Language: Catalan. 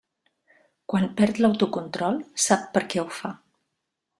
Quan perd l'autocontrol sap per què ho fa.